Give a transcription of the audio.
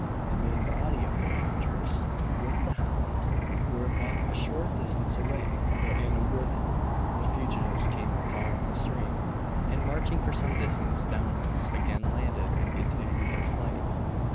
The main body of their hunters, with the hound, were but a short distance away, but in a wood the fugitives came upon a stream, and, marching for some distance down this, again landed, and continued their flight.